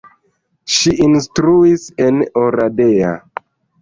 Ŝi instruis en Oradea.